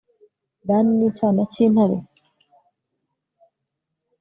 dani ni icyana cy'intare